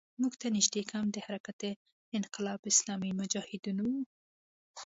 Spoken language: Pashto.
موږ ته نږدې کمپ د حرکت انقلاب اسلامي مجاهدینو وو.